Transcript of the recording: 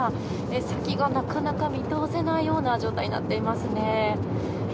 先がなかなか見通せないような状態になっていますね。